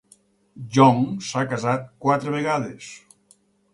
Jong s'ha casat quatre vegades.